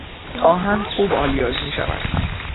آهن خوب آلیاژ میشود.